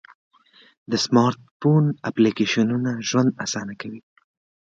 د سمارټ فون اپلیکیشنونه ژوند آسانه کوي.